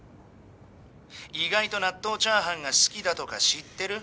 意外と納豆チャーハンが好きだとか知ってる？